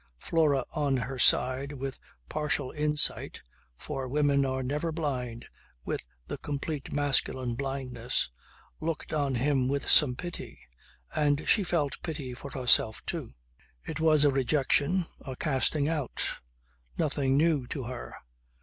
Flora on her side with partial insight (for women are never blind with the complete masculine blindness) looked on him with some pity; and she felt pity for herself too. It was a rejection, a casting out; nothing new to her.